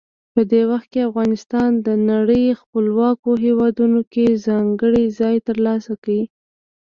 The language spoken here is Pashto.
په دې وخت کې افغانستان د نړۍ خپلواکو هیوادونو کې ځانګړی ځای ترلاسه کړ.